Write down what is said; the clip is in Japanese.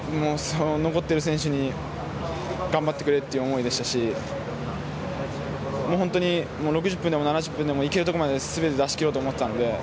残っている選手に頑張ってくれという思いでしたし本当に６０分でも７０分でもいけるところまで全て出し切ろうと思っていたので。